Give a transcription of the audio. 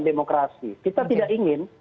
demokrasi kita tidak ingin